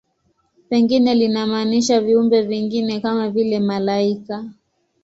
Pengine linamaanisha viumbe vingine, kama vile malaika.